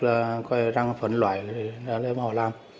là có răng phấn loại là họ làm